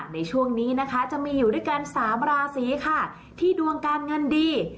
ในช่วงนี้นะคะจะมีอยู่ด้วยกัน๓ราศีค่ะที่ดวงการเงินดี